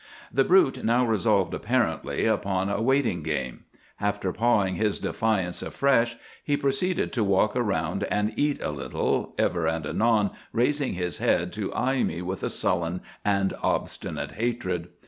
"The brute now resolved, apparently, upon a waiting game. After pawing his defiance afresh, he proceeded to walk around and eat a little, ever and anon raising his head to eye me with a sullen and obstinate hatred.